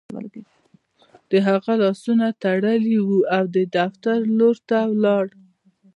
د هغه لاسونه تړلي وو او د دفتر لور ته لاړ